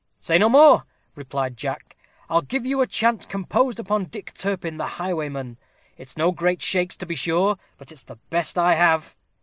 "Say no more," replied Jack. "I'll give you a chant composed upon Dick Turpin, the highwayman. It's no great shakes, to be sure, but it's the best I have."